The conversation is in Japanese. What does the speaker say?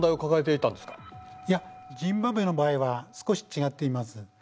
いやジンバブエの場合は少し違っています。